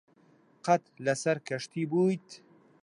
قەت لەسەر کەشتی بوویت؟